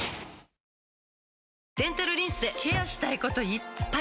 デンタルリンスでケアしたいこといっぱい！